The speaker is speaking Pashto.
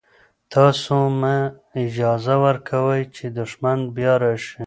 تاسو مه اجازه ورکوئ چې دښمن بیا راشي.